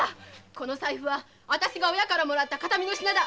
この財布は親からもらった形見の品だ！！